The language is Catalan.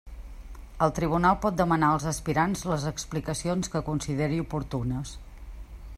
El tribunal pot demanar als aspirants les explicacions que consideri oportunes.